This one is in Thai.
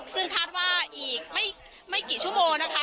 ซึ่งคาดว่าอีกไม่กี่ชั่วโมงนะคะ